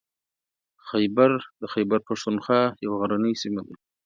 خیبر د خیبر پښتونخوا یوه غرنۍ سیمه ده.